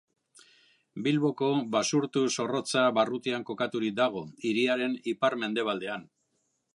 Bilboko Basurtu-Zorrotza barrutian kokaturik dago, hiriaren ipar-mendebaldean.